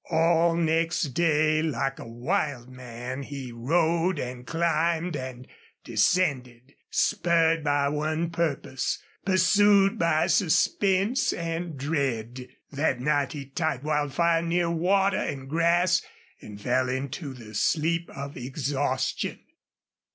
All next day, like a wild man, he rode and climbed and descended, spurred by one purpose, pursued by suspense and dread. That night he tied Wildfire near water and grass and fell into the sleep of exhaustion.